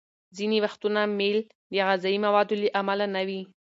ځینې وختونه میل د غذايي موادو له امله نه وي.